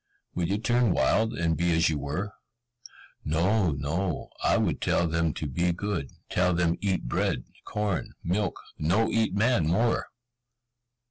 Would you turn wild, and be as you were?" "No, no, I would tell them to be good, tell them eat bread, corn, milk, no eat man more!"